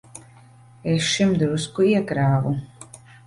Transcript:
Es šim drusku iekrāvu.